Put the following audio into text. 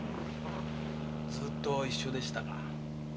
ずっと一緒でしたか？